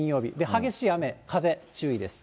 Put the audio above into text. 激しい雨、風、注意です。